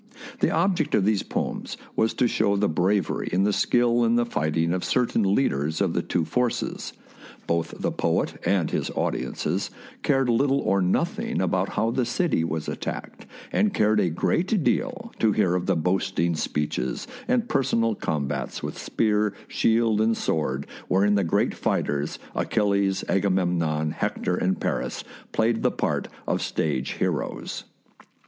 The object of these poems was to show the bravery and the skill in the fighting of certain leadeYs of the two forces. Both the poet and his audiences cared little or nothing about how the city was attacked, and cared a great deal to hear of the boasting speeches and personal combats with spear, shield, and sword, wherein the great fighters, THE SIEGE OF TROY Achilles, Agamemnon, Hector, and Paris, played the part of stage heroes.